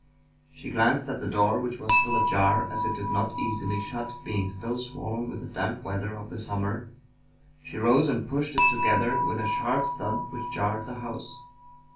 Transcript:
She glanced at the door, which was still ajar, as it did not easily shut, being still swollen with the damp weather of the summer. She rose and pushed it together with a sharp thud which jarred the house.